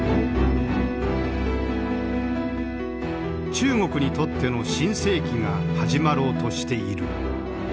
中国にとっての新世紀が始まろうとしている。